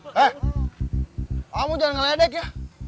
kamu jangan ngeledek ya